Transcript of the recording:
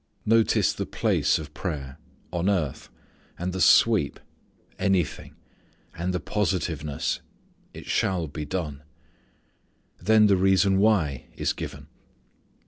Notice the place of prayer "on earth"; and the sweep "anything"; and the positiveness "it shall be done." Then the reason why is given.